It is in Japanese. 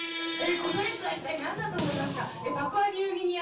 この列は一体なんだと思いますか？